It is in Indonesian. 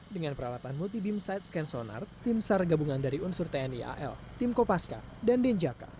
dengan peralatan multi beam side scan sonar tim sar gabungan dari unsur tni al tim kopaska dan denjaka